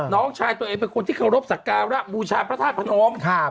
น้องชายตัวเองเป็นคนที่เคารพสักการะบูชาพระธาตุพนม